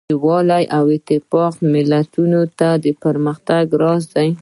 یووالی او اتفاق د ملتونو د پرمختګ راز دی.